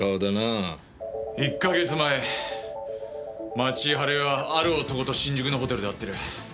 １か月前町井春枝はある男と新宿のホテルで会ってる。